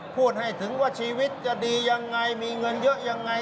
พูดให้ถึงว่าชีวิตจะดียังไงมีเงินเยอะยังไง